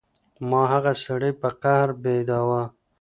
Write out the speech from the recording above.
ما هغه سړی په قهر بېداوه.